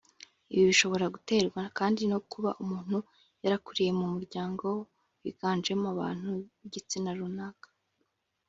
Ibi bishobora guterwa kandi no kuba umuntu yarakuriye mu muryango wiganjemo abantu b’igitsina runaka